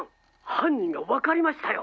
犯人がわかりましたよ。